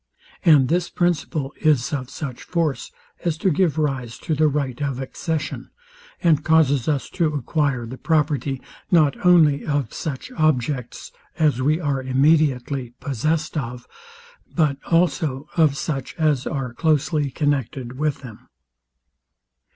And this principle is of such force as to give rise to the right of accession, and causes us to acquire the property not only of such objects as we are immediately possessed of; but also of such as are closely connected with them.